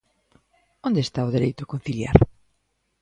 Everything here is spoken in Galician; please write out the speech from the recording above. ¿Onde está o dereito a conciliar?